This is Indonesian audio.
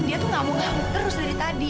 dia tuh nggak mau ngamuk terus dari tadi